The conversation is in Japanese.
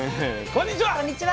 こんにちは。